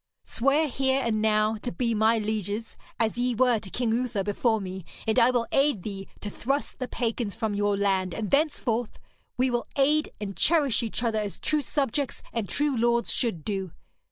Swear here and now to be my lieges, as ye were to King Uther before me, and I will aid thee to thrust the pagans from your land, and thenceforth we will aid and cherish each other as true subjects and true lords should do.